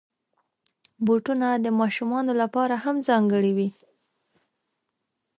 بوټونه د ماشومانو لپاره هم ځانګړي وي.